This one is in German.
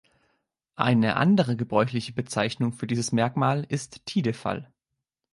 Eine andere gebräuchliche Bezeichnung für dieses Merkmal ist Tidefall.